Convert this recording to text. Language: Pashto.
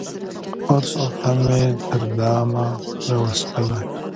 حرص او تمي وو تر دامه راوستلی